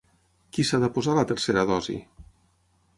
Qui s’ha de posar la tercera dosi?